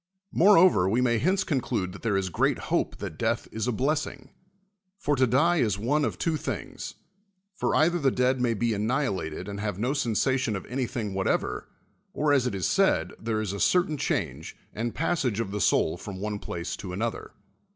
]\Ioreover, we may hence conclude that there is great hope that death is a blessing. For to die is one of two things: for either the dead may be annihilated and have no sensation of any thing whatever; or, as it is said, there is a cer tain change and passage of the sonl from one; plac" to another.